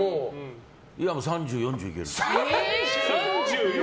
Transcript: ３０４０いける。